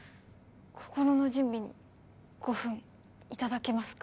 心の準備に５分いただけますか？